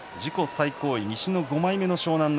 最高位の西の５枚目湘南乃